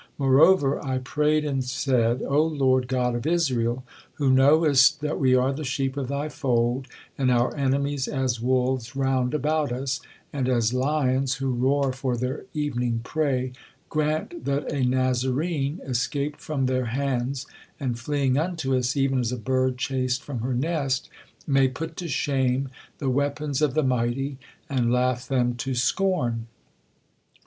Moreover, I prayed, and said, O Lord God of Israel! who knowest that we are the sheep of thy fold, and our enemies as wolves round about us, and as lions who roar for their evening prey, grant, that a Nazarene escaped from their hands, and fleeing unto us, even as a bird chased from her nest, may put to shame the weapons of the mighty, and laugh them to scorn.